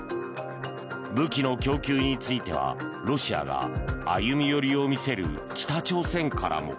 武器の供給についてはロシアが歩み寄りを見せる北朝鮮からも。